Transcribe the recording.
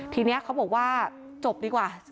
ทีนี้เขาบอกว่าจบดีกว่า